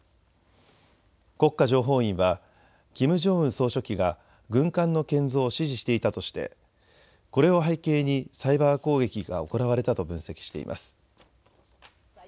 国家情報院はキム・ジョンウン総書記が軍艦の建造を指示していたとしてこれを背景にサイバー攻撃が行われたと分析しています。